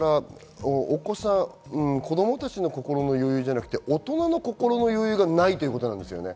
子供たちの心の余裕じゃなくて、大人の心の余裕がないっていうことなんですよね。